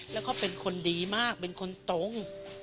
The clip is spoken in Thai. แล้วเขาเป็นคนดีมากเป็นคนตรง